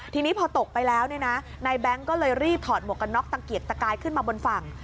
ทีนี้พอตกไปแล้วเนี่ยนะนายแบงค์ก็เลยรีบถอดหมวกกันน็อกตะเกียกตะกายขึ้นมาบนฝั่ง